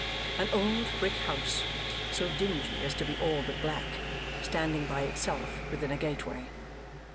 An old brick house, so dingy as to be all but black, standing by itself within a gateway.